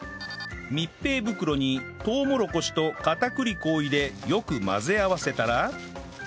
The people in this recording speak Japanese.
密閉袋にとうもろこしと片栗粉を入れよく混ぜ合わせたら